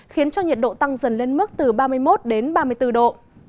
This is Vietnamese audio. khiến cho nhiệt độ tăng dần lên mức từ ba mươi một đến ba mươi bốn độ